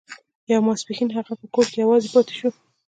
يو ماسپښين هغه په کور کې يوازې پاتې شو.